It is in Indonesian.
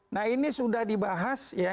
nah ini sudah dibahas ya